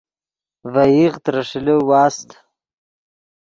ڤے ایغ ترے ݰیلے واست